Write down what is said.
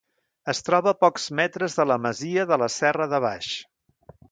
Es troba a pocs metres de la masia de la Serra de Baix.